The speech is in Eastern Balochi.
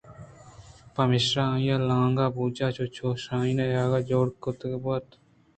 پمیشا آئیءَلانک بُوجےچو شاہین ءِ ہئیکءَجوڑ کُتءُ بُرت